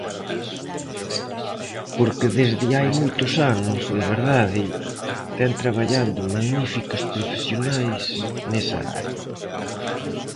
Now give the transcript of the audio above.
Porque desde hai moitos anos, de verdade, ten traballando magníficos profesionais nesa área.